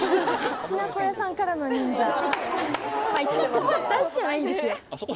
そこ大事じゃないんですか？